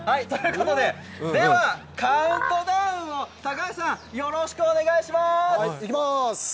ではカウントダウンをよろしくお願いします。